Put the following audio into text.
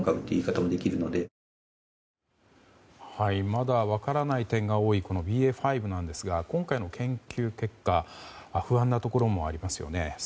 まだ分からない点が多いＢＡ．５なんですが今回の研究結果不安なところもありますよね。